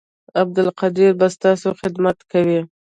عبدالقدیر به ستاسو خدمت کوي